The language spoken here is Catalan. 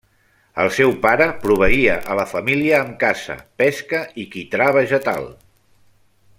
El seu pare proveïa a la família amb caça, pesca i quitrà vegetal.